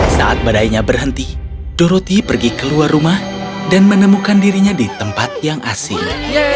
saat badainya berhenti doroti pergi keluar rumah dan menemukan dirinya di tempat yang asing